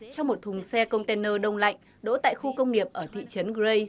trong một thùng xe container đông lạnh đỗ tại khu công nghiệp ở thị trấn gre